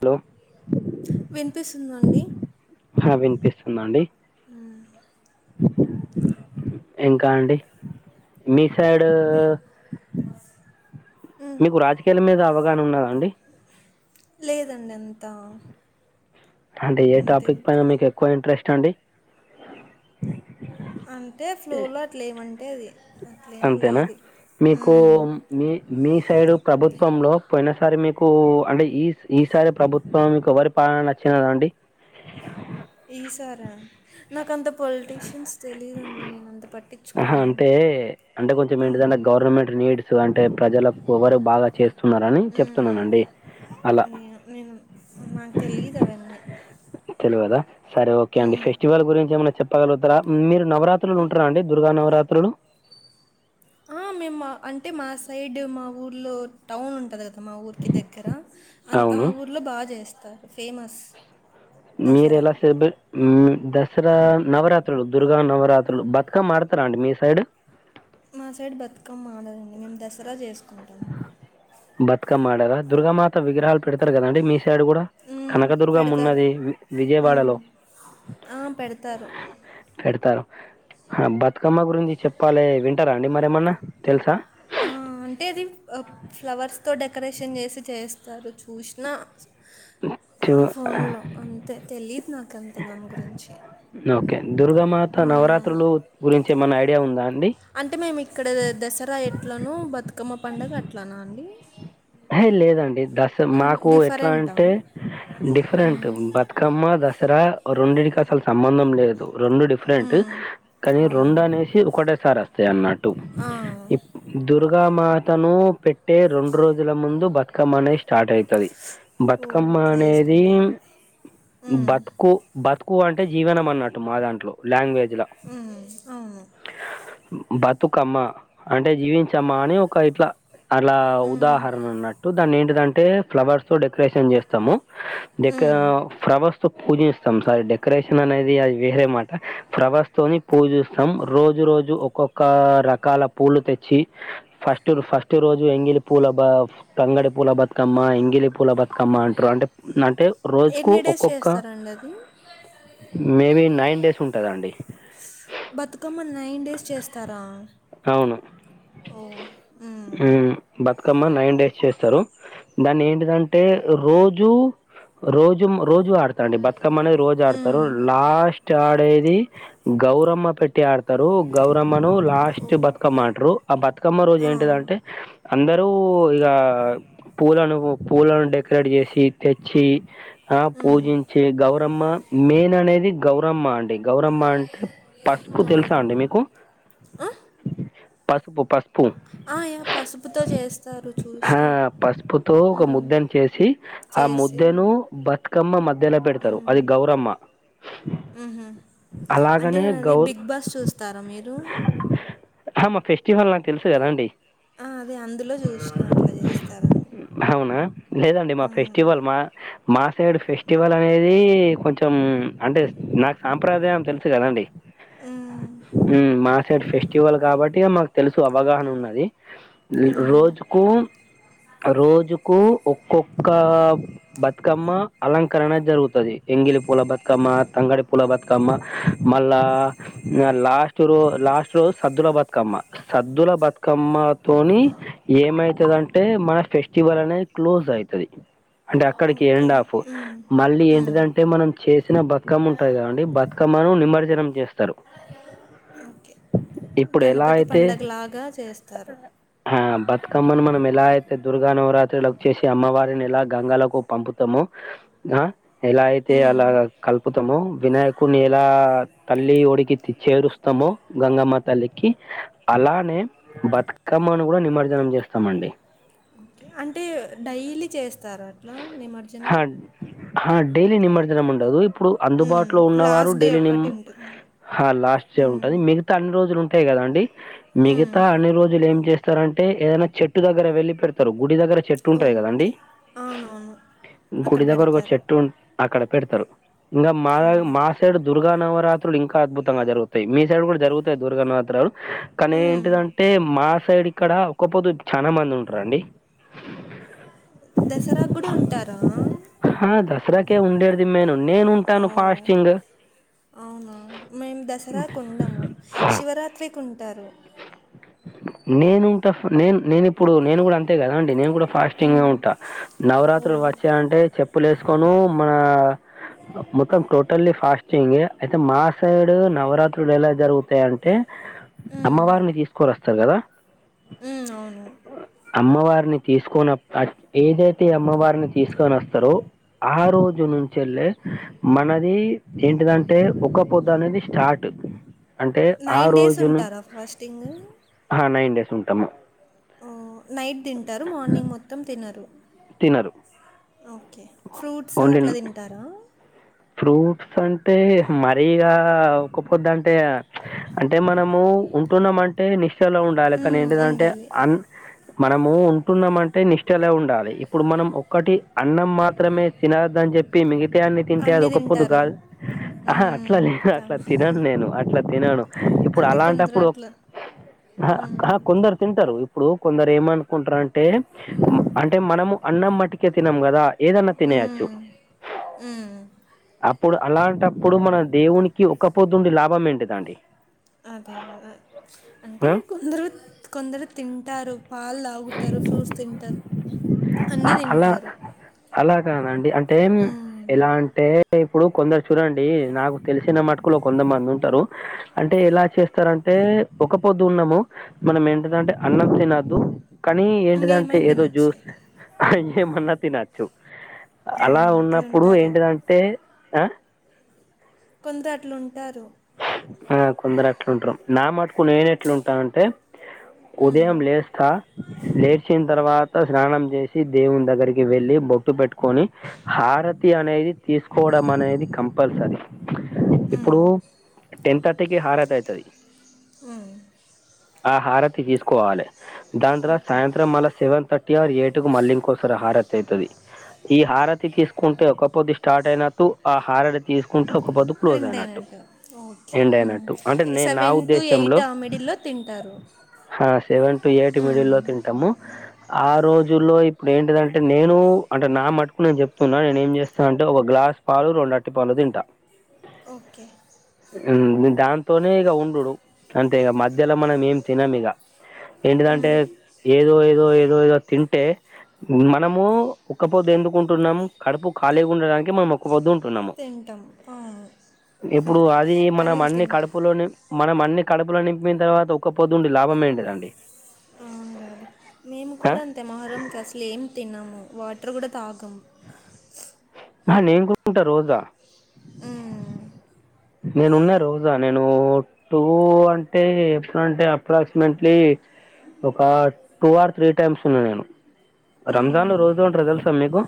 Hello విన్పిస్తుందండి హా విన్పిస్తుందండి ఊ ఇంకా అండి మీ సైడూ హ్మ్. మీకు రాజకీయాల మీద అవగాన ఉన్నదా అండి లేదండంతా హంటే ఏ టాపిక్ పైన మీకెక్కువ ఇంట్రెస్టండి అంటే ఫ్లూలో అట్లేమంటే అది అట్లేమ్ అంతేనా లేదు ఊ మీకు మీ మీ సైడు ప్రభుత్వంలో పొయిన సారి మీకు అంటే ఈ ఈసారి ప్రభుత్వం కు వరు పాలను నచ్చినాద అండి ఈశారా నాకంత పొల్టీషిన్స్ తెలీదండి నేనంత ఆహా పట్టిచ్చుకోను అంటే అంటే కొంచం మీఇంటిదాన గవర్నమెంట్ నీడ్సు అంటే ప్రజలక్ కొవరు బాగా చేస్తున్నారని చెప్తున్నానండి అలా నెను నేను మాక్ తెలీదవన్నీ తెల్వద సరే ఓకే అండి హ్మ్. ఫెస్టివల్ గురించి ఏమైనా చెప్పగలుగుతారా మీరు ఆ! నవరాత్రులుంట్రా అండి దుర్గా నవరాత్రులు ఆ మేమ్ మా అంటే మా సైడ్ మా ఊర్లో టౌన్ ఉంటది గదా మా ఊర్కి దెగ్గెర అన్ ఆ అవును ఊర్లో బా జేస్తారు ఫేమస్ దసరా మీరలా సేబెల్ మీ దసరా నవరాత్రులు దుర్గా నవరాత్రులు బత్కమ్మ ఆడు తర అండి మీ సైడ్ మా సైడ్ బతుకమ్మ ఆడరండి మేమ్ దసరా జేస్కుంటామ్ బత్కమ్మ ఆడరా దుర్గామాత విగ్రహాలు పెడతరు గాదా అండి మీ సైడ్ గూడా మ్మ్, పెడతారు కనకదుర్గమ్మన్నది వి మ్మ్. విజయవాడలో ఆ, పెడతారు పెడతారొ బతుకమ్మ గురించి చెప్పాలే వింటారా అండి మరేమన్నా తెల్సా ఆ అంటే అది అప్ ఫ్లవర్స్తో డెకరేషన్ జేసి చేస్తారు చూష్నా ఆ చూ- ఫోండ్లో అంతే తెలీద్ నాకంత దాన్ గురించి నోకే దుర్గామాత ఆ, నవరాత్రులు గురించి ఏమైనా ఐడియా ఉందా అండి అంటే మేము ఇక్కడ దసరా ఎట్లనో బతుకమ్మ పండుగ అట్లన అండి అహే లేదండి దస మ్మ్, మాకు ఎట్లా డిఫరెంటా అంటే డిఫరెంట్ బ తుకమ్మ దసరా ఒ రొండింటికి అసలు సంబంధం లేదు రొండు డిఫరెంటు మ్మ్, కానీ అవునా రొండనేసి ఒకటేసారొస్తాయి అన్నట్టు ఆ, ఇప్ దుర్గామాతను పెట్టే రొండ్రోజుల ముందు బతుకమ్మ అనేది స్టాటైతది ఓ బత్కమ్మ అట్లా అనేది చేసుకుంటారు మ్మ్, బతుకు బతుకు అంటే జీవనం అన్నట్టు మా దాంట్లో లాంగ్వేజ్ లో ఆ బతుకమ్మ అంటే జీవించమ్మ అని ఒక ఇట్లా అలా వుద్ మ్మ్. ఉదాహరణ అన్నట్టు దాన్ని ఏంటిదంటే ఫ్లవర్స్ తో డెకరేషన్ చేస్తాము డెక్కా మ్మ్. ఫ్లవర్స్ పూజిస్తాం సారీ డెకరేషన్ అనేది అది వేరే మాట ఫవ్లర్స్తోని పూజిస్త సం రోజు రోజు ఒక్కొక్క రకాల పూలు తెచ్చి ఫస్ట్ ఫస్ట్ రోజు ఎంగిల్ పూల బ తంగెడి పూల బతుకమ్మ ఇంగిలి పూల బతుకమ్మ అంటారు అంటే అంటే రోజుకు ఎన్ని డేస్ ఒక్కొక్క చేస్తారండి అది మేబి నైన్ డేస్ ఉంటదండి బతుకమ్మ నైన్ డేస్ చేస్తారా అవును ఓ మ్మ్. హ్మ్ బతుకమ్మ నైన్ డేస్ చేస్తారు దాన్ని ఏంటిదంటే రోజూ రోజు రోజు ఆడతారండి బతుకమ్మ అనేది రోజు ఆడతారు మ్మ్. లాస్ట్ ఆడేది గౌరమ్మ పెట్టి ఆడతారు గౌరమ్మను ఓ లాస్ట్ బతుకమ్మా ఆడ్రు ఆ బతుకమ్మ రోజు ఆ. ఏంటిదంటే అందరూ ఇగ పూలను పూలను డెకరేట్ చేసి తెచ్చి ఆ మ్మ్. పూజించి గౌరమ్మ మెయిన్ అనేది గౌరమ్మ అండి గౌరమ్మ అంటే పసుపు తెలుసా గౌరమ్మ అండి మీకు ఆ? పసుపు పసుపు ఆ, యా పసుపుతో చేస్తారు చూస్నా తో ఒక ముద్దను చేసి ఆ చేసి ముద్దెను బత్ క్కమ్మ మధ్యల పెడతారు అది గౌరమ్మ మ్ హు అంటే అలాగనే అది గౌ బిగ్ బాస్ చూస్తారా మీరు ఆ మా ఫెస్టివల్ నాకు తెలుసు కదా అండి అది అందులో చూసినార్లే అట్ల చేస్తారని అవునా లేదండి మా ఆ. ఫెస్టివల్ మా మా సైడు ఫెస్టివల్ అనేది కొంచెం అంటే నాకు సాంప్రదాయం తెలుసు కదండి హ్మ్ హ్మ్ మా సైడ్ ఫెస్టివల్ కాబట్టి మాకు తెలుసు అవగాహన ఉన్నది మ్మ్. రోజుకు రోజుకు ఒక్కొక్క బతుకమ్మ అలంకరణ జరుగుతది ఎంగిలి పూల బతుకమ్మ తంగడి పూల బతుకమ్మ కమ్మా మళ్ళా ఆ లాస్ట్ రో లాస్ట్ రోజ్ సద్దుల బతుకమ్మ సద్దుల బతుకమ్మ తోని ఏమయితదంటే అంటే మన ఫెస్టివల్ అనే క్లోజ్ అయితది అంటే అక్కడికి ఓకే ఎండ్ ఆఫ్ మ్మ్. మళ్ళీ మ్మ్. ఏంటిదంటే మనం చేసిన బతుకమ్మ ఉంటాది కాదండి బతుకమ్మను నిమర్జ్నం చేస్తారు ఓకే ఇప్పుడు ఎలా గణపతి అయితే పండగలాగ చేస్తారు ఆ బతుకమ్మను మనం ఎలా అయితే దుర్గా నవరాత్రులో చేసి అమ్మవారిని ఎలా గంగాలకు పంపుతామో ఆ ఎలా అయితే హ్మ్. అలా కలుపుతామో వినాయకుడ్ని ఎలా తల్లి ఒడికి చేరుస్ తమో గంగమ్మ తల్లికి అలానే బతుక కమ్మన్ కూడా నిమజ్జనం చేస్తామండి ఓకే. అంటే డైలీ చేస్తారు అట్లా ని హ హా డైలీ నిమ్మజ్జనం ఉండదు ఇప్పుడు హ్మ్. అందుబాటులో ఉన్నవారు లాస్ట్ డే డైలీ నిమ్ ఒక్కటి ఉంటుంది. హా లాస్ట్ డే హ్మ్. ఉంటది మిగతా అన్ని రోజులు ఉంటాయి కదా అండి హ్మ్. మిగతా అన్ని రోజులు ఏం చేస్తారంటే ఏదనా చెట్టు దగ్గర వెళ్లి పెడతారు గుడి దగ్గర చెట్ టుంటంది కదా అండి ఓకే. అవునవును. అక్కడ గుడి దగ్గర ఒక పెడతారు. చెట్టున్ అక్కడ పెడతారు ఇంగ మా మా సైడ్ దుర్గా నవరాత్రులు ఇంకా అద్భుతంగా జరుగుతాయి మీ సైడ్ కూడా జరుగుతాయి దుర్గా నవరాత్రలు కానీ హ్మ్. ఏంటిదంటే మా సైడ్ ఇక్కడ ఒకపోదు చాలా మంది ఉంటారండి దసరా గుడ ఉంటారా ఆ దసరాకే ఉండేది మేను నేను ఉంటాను ఫాస్టింగ్ అవున మేము దసరా కొండము శివరాత్రి కొంటారు నేనుంట నేను నేను ఇప్పుడు నేను కూడా అంతే కద అండి నేను కూడా ఫాస్టింగ్గా హ్మ్. ఉంటా నవరాత్రులు ఓహ్! వచ్చాయంటే చెప్పులు వేసుకొను మన మొత్తం టోటల్లీ ఫాస్టింగ్ అయితే మా సైడు నవరాత్రులు ఎలా జరుగుతాయంటే అమ్మవారిని తీసుకోనస్తారు కదా అవును అమ్మవారిని తీసుకొని ఏదైతే అమ్మవారిని తీసుకొని వస్తారో ఆ రోజు నుంచెల్లె మనది ఏంటిదంటే ఒక పొద్దు అనేది స్టార్ట్ అంటే ఆ నైన్ డేస్ ఉంటారా ఫాస్టింగ్ నైన్ డేస్ ఉంటాము ఓ, నైట్ తింటారు మార్నింగ్ మొత్తం తినరు తినరు ఓకే ఫ్రూట్స్ అట్లా ఓన్లీ తింటారా ఫ్రూట్స్ అంటే మరిగా ఒకపోదు అంటే అంటే మనము ఉంటున్నామంటే నిష్ఠలో ఉండాలి కానీ మ్మ్, ఏంటిదంటే ఉండాలి అన్ మనము ఉంటున్నాం అంటే నిష్టలే ఉండాలి ఇప్పుడు మనం ఒక్కటి అన్నం మాత్రమే తిన అద్దని చెప్పి మిగితయన్ని తింటే అది అన్నీ ఒక పొద్దు తింటారు కాదు ఆహ మ్మ్, అట్లా లేదు అట్లా కాదు తినను నేను అట్లా తినను ఇప్పుడు అంటే కొందరు అలాంటప్పుడు అట్లా హా మ్మ్, హా కొందరు తింటారుప్పు ఇప్పుడు కొందరు ఏమనుకుంటారంటే అంటే మనము అన్నం మట్టుకే తినం కదా ఏదన్న తినే అచ్చు అ అప్పుడు అలాంటప్పుడు మన దేవునికి ఒక పొద్దుండి లాభం ఏంటిదండి అదే కదా అంటే ఆ కొందరు కొందరు తింటారు పాలు తాగుతారు ఫ్రూట్స్ తింటారు ఆ, అన్నీ అలా తింటారు అలా కాదండి అంటేం మ్మ్. ఎలాం అంటే ఇప్పుడు కొందరు చూడండి నాకు తెలిసిన మటుకులో కొంద మంది ఉంటారు అంటే ఎలా చేస్తారంటే ఒక పొద్దు ఉన్నాము మనం ఏంటదంటే అన్నం తినద్దు కానీ ఏంటిదంటే ఇంకేమైనా ఏదో తినొచ్చు జ్యూస్ అ ఏమన్నా తినచ్చు ఆ, అలా ఉన్నప్పుడు అట్లుంటారు ఏంటిదంటే ఆ కొందరు అట్లుంటారు ఆ కొందరు అట్లుంటారు నా మటుకు నేను ఎట్ల ఉంటా అంటే ఉదయం లేస్తా లేచిన తర్వాత స్నానం చేసి దేవుని దగ్గరికి వెళ్ళి బొ పెట్టుకొని హారతి అనేది తీసుకోవడం అనేది కంపల్సరీ ఇప్పుడు టెన్ థర్టీకి హారతి అయితది ఆ హారతి తీసుకోవాలే దాని తర్వాత ఓకే సాయంత్రం మళ్ళా సెవెన్ థర్టీ ఆర్ ఎయిట్ కు మళ్ళ ఇంకోసారి హారతి అయితది ఈ హారతి తీసుకుంటే ఒకపొద్దు స్టార్ట్ అయినట్ ఆ హారతి తీసుకుంటే ఒక పొద్దు క్లోజ్ ఎండ్ అయినట్టు అయినటు ఓకే ఎండ్ అయినట్టు అంటే నే నా సెవెన్ టు ఎయిట్ ఉద్దేశంలో ఆ మీడిల్లో తింటారు ఆ సెవెన్ టు ఎయిట్ మిడిల్ మ్మ్. లో తింటాము ఆ రోజుల్లో ఇప్పుడు ఏంటిదంటే నేను అంటే నా మట్టికు నేను చెప్తున్నా నేనేం చేస్తానంటే ఒక గ్లాస్ పాలు రెండు అరిటిపొల్లు తింట ఓకే ఈ దాంతోనే ఇక ఉండుడు అంటే ఇక మధ్యలో మనం ఏం తినను ఇక ఏంటిదంటే ఏదో ఏదో ఏదో ఏదో తింటే మనము ఒక్క పొద్దు ఎందుకుంటున్నాము కడుపు ఖాళీగా ఉండడానికి మనం ఒక్క పొద్దు ఉంటున్నాము. తింటాం పా ఇప్పుడు అది మనం అన్నిీ కడుపులోని మనం అన్ని కడుపులో నింపిన తర్వాత ఒక్క పొద్దుండి లాభమ ఏంటదండి అవును గాదా మేము ఆ! కూడా అంతే మొహరకి అసలు ఏం తిన్న ము వాటర్ కూడా తాగము. నేను కోరుకుంటా రోజా మ్మ్. నేనున్న రోజా నేను టూ ఉ అంటే ఎప్పుడంటే అప్రాక్సిమేట్లీ ఒక టూ ఆర్ త్రీ టైమ్స్ ఉన్నా నేను రంజాన్ మ్మ్. లో రోజు ఉంటారు తెలుసా మీకు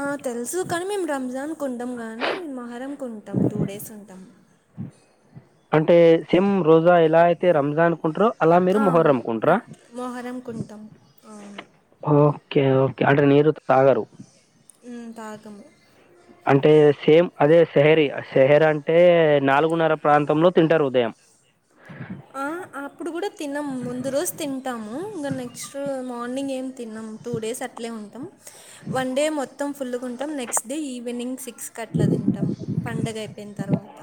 అ తెలుసు కానీ మేము రంజాన్ ఉండము కానీ మొహరం ఉంటాం టూ డేస్ ఉంటాం. అంటే సేమ్ రోజా ఎలా అయితే రంజాన్ ఉంటారో అ [unintelligible] మోహరం కుంతాం ఓకే ఓకే అంట్రే నీరు తాగరు. ఉం తాగాము. అంటే సేమ్ అదే సెహరి సెహరి అంటే నాలుగున్నర ప్రాంతంలో తింటారు ఉదయం. అ అప్పుడు కూడా తినము ముందు రోజు తింటాము ఇంకా నెక్స్ట్ మార్నింగ్ ఏం తినము. టూ డేస్ అట్లే ఉంటాం వన్ డే మొత్తం ఫుల్గా ఉంటాం next day evening six six అట్లా తింటాం పండగ అయిపోయిన తర్వాత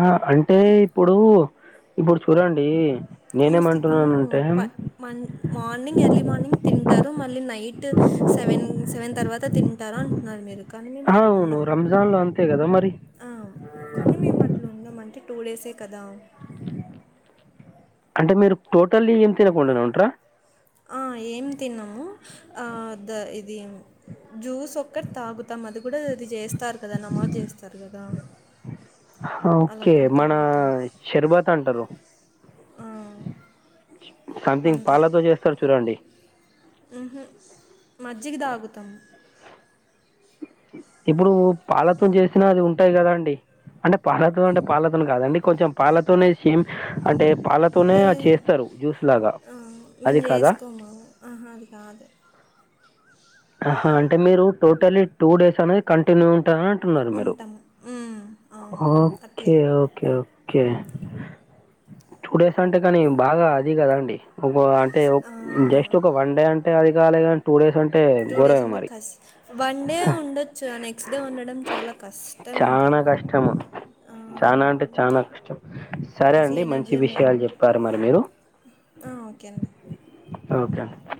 ఆ అంటే ఇప్పుడు ఇప్పుడు చూడండి ముస్లి నేనేమంటున్నాను అవును అంటే ప మన్ మార్నింగ్ ఎర్లీ మార్నింగ్ తింటారు మళ్ళీ నైట్ సెవెన్ సెవెన్ తర్వాత తింటారు అంటా నాలు మీరు కానీ మేము అ అవును రంజాన్ లో అంతే కదా మరి అ కానీ మేము అట్లా ఉండమంటే టూ డేసే కదా అంటే మీరు టోటల్లీ ఏమి తినకుండనే ఉంటారా అ ఏం తినము అ ద ఇది జ్యూస్ ఒక్కటి తాగుతాం అది కూడా ఇది చేస్తారు కదా నమోజ్ చేస్తారు కదా ఓకే మన తాగుతాం. షర్బత్ అంటారు ఆ! సో సంథింగ్ పాలతో చేస్తారు చూడండి. హు హుం మజ్జిగి తాగుతాము. ఇప్పుడు పాల తో చేసినా అది ఉంటాయి కదా అండి అంటే పాలతో అంటే పాలతోను కాదండి కొంచెం పాలతోనే సేమ్ అంటే పాలతోనే లేదు. చేస్తారు జ్యూస్ లాగా అది కాదా హలో ఆహా అది కాదు హా అంటే మీరు టోటలీ టూ డేస్ అనేది కంటిన్యూ ఉంటారా ఉంటున్నారు మీరు ఉంటాం. హ్మ్. అవును. అట్లే. Okay okay okay two days అంటే కానీ బాగా అది కదా అండి ఒక అంటే ఆ! జస్ట్ ఒక వన్ డే అంటే అది కాలే కానీ టూ డేస్ అంటే టూ డేస్ ఘోరమే అంటే మరి కస్ వన్ డే ఉండొచ్చు ఆ నెక్స్ట్ డే ఉండడం చాలా కస్ చానా కష్టము చానా అంటే ఆ! చానా కష్టం సరే అండి మంచి విషయాలు చెప్పారు మరి మీరు ఆ ఓకే అండి ఓకే అండి